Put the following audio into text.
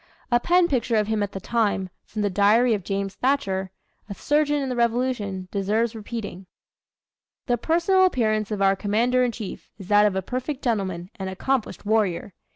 A pen picture of him at the time, from the diary of James Thacher, a surgeon in the Revolution, deserves repeating: "The personal appearance of our commander in chief is that of a perfect gentleman and accomplished warrior.